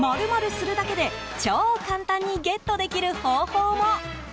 ○するだけで超簡単にゲットできる方法も。